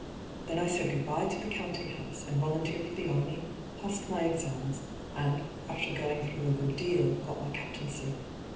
Then I said good bye to the counting house, and volunteered for the army, passed my exams, and, after going through a good deal, got my captaincy.